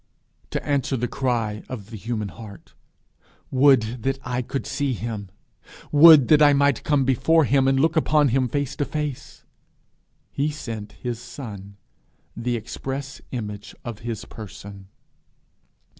To answer the cry of the human heart, 'Would that I could see him! would that I might come before him, and look upon him face to face!' he sent his son, the express image of his person.